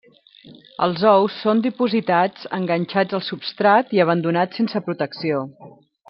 Els ous són dipositats enganxats al substrat i abandonats sense protecció.